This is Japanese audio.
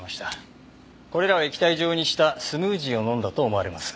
これらを液体状にしたスムージーを飲んだと思われます。